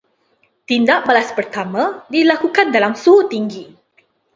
Tindak balas pertama dilakukan dalam suhu tinggi